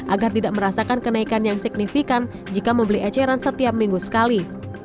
agar tidak merasakan kenaikan yang signifikan jika membeli eceran setiap minggu sekali